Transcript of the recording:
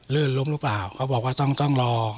ื่นล้มหรือเปล่าเขาบอกว่าต้องรอ